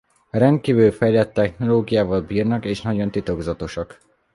Rendkívül fejlett technológiával bírnak és nagyon titokzatosak.